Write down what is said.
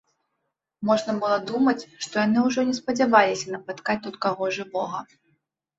Можна было думаць, што яны ўжо не спадзяваліся напаткаць тут каго жывога.